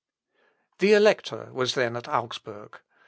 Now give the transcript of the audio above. The Elector was then at Augsburg.